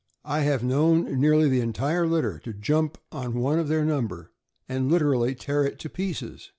I have known nearly the entire litter to jump on one of their number and literally tear it to pieces.